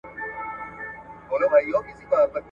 باید کړو سرمشق د کړنو په کتار کي د سیالانو ..